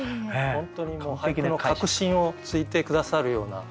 本当に俳句の核心をついて下さるような。